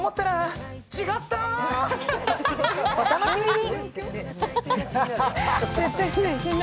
お楽しみに！